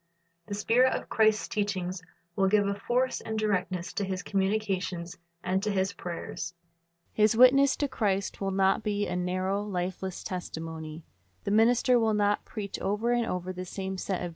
The spirit of Christ's teaching will give a force and directness to his communications and to his prayers. His witness to Christ will not be a narrow, lifeless testimony. The minister will not preach over and over the same set discourses.